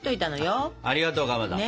ありがとうかまど。